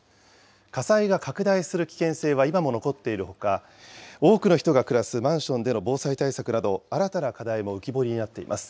火災が拡大する危険性は今も残っているほか、多くの人が暮らすマンションでの防災対策など、新たな課題も浮き彫りになっています。